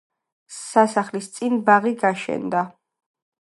სასახლის წინ ბაღი გაშენდა.